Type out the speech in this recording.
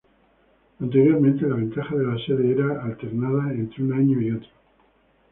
Anteriormente, la "ventaja de la sede" era alternada entre un año y otro.